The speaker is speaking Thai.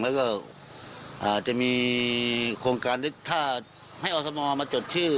แล้วก็จะมีโครงการที่ถ้าให้อสมมาจดชื่อ